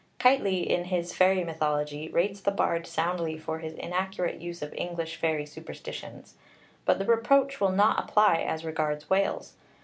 Keightley in his 'Fairy Mythology' rates the bard soundly for his inaccurate use of English fairy superstitions; but the reproach will not apply as regards Wales.